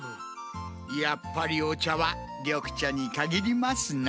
やっぱりおちゃはりょくちゃにかぎりますな。